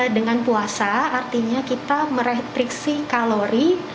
dengan puasa artinya kita meretriksi kalori